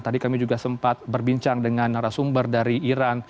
tadi kami juga sempat berbincang dengan narasumber dari iran